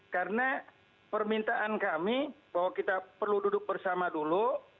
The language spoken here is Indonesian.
karena permintaan kami bahwa kita perlu duduk bersama dulu